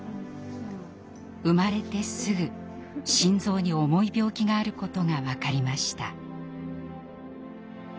生まれてすぐ心臓に重い病気があることが分かりました。